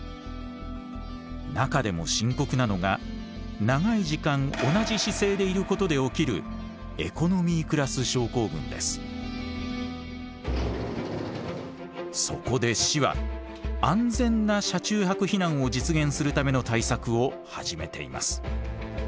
中でも深刻なのが長い時間同じ姿勢でいることで起きるそこで市は安全な車中泊避難を実現するための対策を始めています。